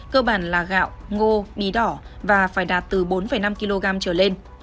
cơ bản là gạo ngô đí đỏ và phải đạt từ bốn năm kg trở lên